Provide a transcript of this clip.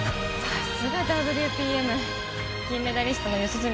さすがＷＰＭ金メダリストの四十住